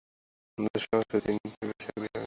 অন্তত সে আমাদের চেয়ে তিমিটা নিয়ে বেশি আগ্রহী হবে।